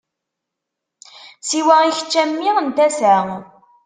Siwa i kečč a mmi n tasa.